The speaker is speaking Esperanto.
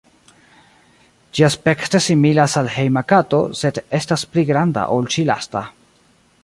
Ĝi aspekte similas al hejma kato, sed estas pli granda ol ĉi-lasta.